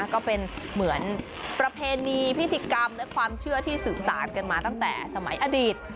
ก็เป็นเหมือนประเพณีพิธีกรรมและความเชื่อที่สืบสารกันมาตั้งแต่สมัยอดีต